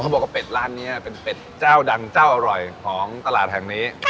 บอกว่าเป็ดร้านนี้เป็นเป็ดเจ้าดังเจ้าอร่อยของตลาดแห่งนี้